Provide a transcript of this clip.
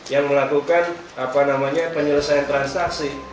yang melakukan apa namanya penyelesaian transaksi